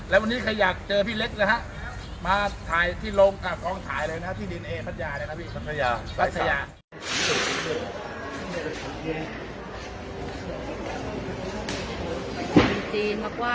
ซื้อกันสดเลยนะคะหน้าโรงงานนะคะ